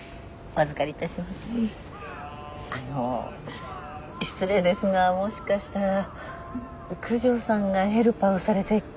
あの失礼ですがもしかしたら九条さんがヘルパーをされていた。